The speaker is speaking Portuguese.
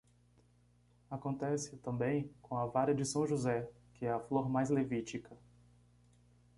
Acontece também com a vara de São José, que é a flor mais levítica.